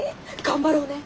頑張ろうね